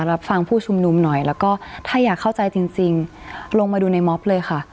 รับฟังผู้ชุมนุมหน่อยแล้วก็ถ้าอยากเข้าใจจริงลงมาดูในม็อบเลยค่ะ